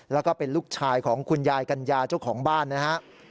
แล้วก็เป็นลูกชายของคุณยายกัญญาเจ้าของบ้านนะครับ